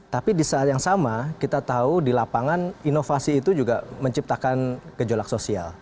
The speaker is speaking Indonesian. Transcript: tapi di saat yang sama kita tahu di lapangan inovasi itu juga menciptakan gejolak sosial